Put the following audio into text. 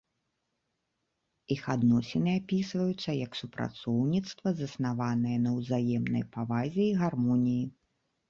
Іх адносіны апісваюцца як супрацоўніцтва, заснаванае на ўзаемнай павазе і гармоніі.